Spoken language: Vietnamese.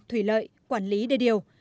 thủy lợi quản lý đề điều